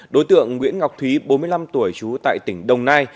đối tượng nguyễn ngọc thúy bốn mươi năm tuổi trú tại tỉnh đồng nai